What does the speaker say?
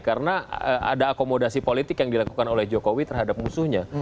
karena ada akomodasi politik yang dilakukan oleh jokowi terhadap musuhnya